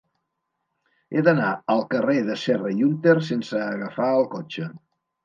He d'anar al carrer de Serra i Hunter sense agafar el cotxe.